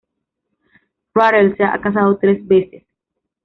Rattle se ha casado tres veces.